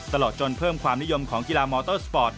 ตลอดจนเพิ่มความนิยมของกีฬามอเตอร์สปอร์ต